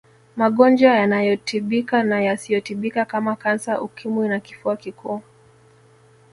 magonjwa yanayotibika na yasiyotibika kama kansa ukimwi na kifua kikuu